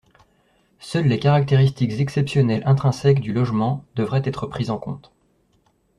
Seules les caractéristiques exceptionnelles intrinsèques du logement devraient être prises en compte.